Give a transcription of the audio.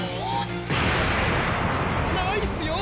ナイスよ